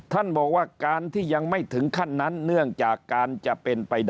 ท่านบอกว่าการที่ยังไม่ถึงขั้นนั้นเนื่องจากการจะเป็นไปได้